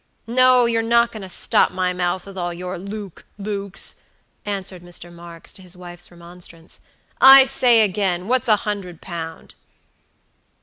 "No, you're not goin' to stop my mouth with all your 'Luke, Lukes!'" answered Mr. Marks to his wife's remonstrance. "I say again, what's a hundred pound?"